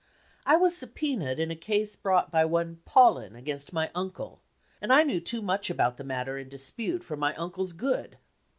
"I was sub poenaed in a case brought by one Paullin against my uncle, and I knew too much about the matter in dispute for my uncle's good.